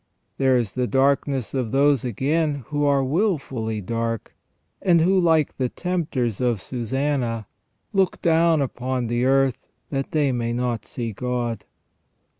There is the darkness of those, again, who are wilfully dark, and who, like the tempters of Susannah, look down upon the earth that they may not see God.